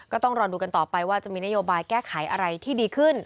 ก็ต้องรอดูกันต่อไปว่าจะมีนโยบายแก้ไขอะไรที่ดีขึ้น